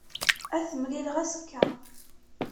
Ad t-mlileɣ azekka.